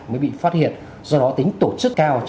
mới bị phát hiện do đó tính tổ chức cao